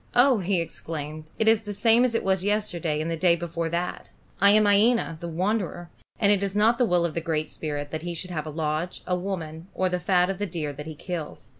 "Oh!" he exclaimed, "it is the same as it was yesterday and the day before that. I am Iena, the Wanderer, and it is not the will of the Great Spirit that he should have a lodge, a woman, or the fat of the deer that he kills."